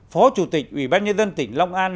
phó chủ tịch ubnd tỉnh long an